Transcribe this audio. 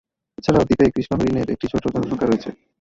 এছাড়াও দ্বীপে কৃষ্ণ হরিণের একটি ছোট জনসংখ্যা রয়েছে।